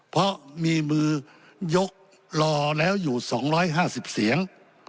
เพราะมีมือยกรอแล้วอยู่๒๕๐เสียง